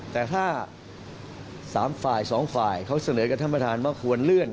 แต่ถ้า๓ฝ่าย๒ฝ่ายเขาเสนอกับท่านประธานว่าควรเลื่อน